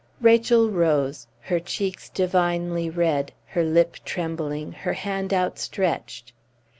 Rachel rose, her cheeks divinely red, her lip trembling, her hand outstretched.